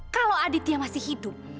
kalau aditya masih hidup